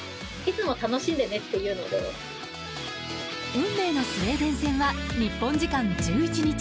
運命のスウェーデン戦は日本時間１１日。